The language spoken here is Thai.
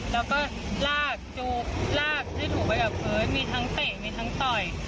แล้วก็ลากจูบลากให้ถูกไปกับพื้นมีทั้งเตะมีทั้งต่อย